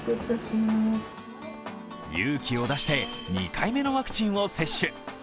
勇気を出して、２回目のワクチンを接種。